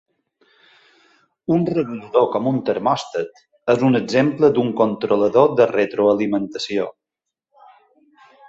Un regulador com un termòstat és un exemple d'un controlador de retroalimentació.